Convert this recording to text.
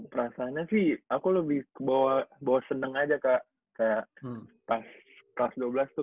perasaannya sih aku lebih bawa seneng aja kak